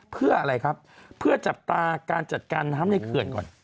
เพื่ออะไรครับเพื่อจับตาการจัดการน้ำในเขื่อนก่อน